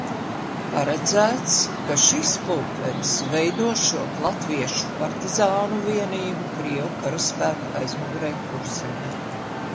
Paredzēts, ka šis pulkvedis veidošot latviešu partizānu vienību krievu karaspēka aizmugurē Kurzemē.